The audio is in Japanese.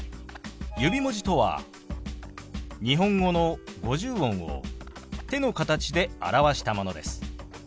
指文字とは日本語の五十音を手の形で表したものです。